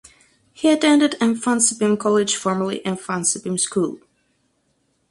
He attended Mfantsipim College formerly Mfantsipim School.